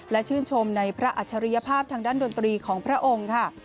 และชื่นชมในพระอัจฉริยภาพทางด้านดนตรีของพระองค์ค่ะ